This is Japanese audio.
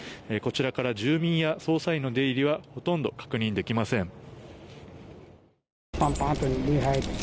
こちらから住民や捜査員の出入りはほとんど確認できません。